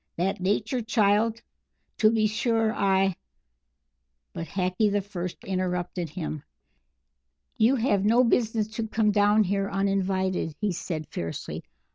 That Nature child? To be sure. I " But Hackee the First interrupted him. "You have no business to come down here uninvited," he said, fiercely.